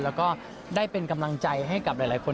แล้วก็ได้เป็นกำลังใจให้กับหลายคน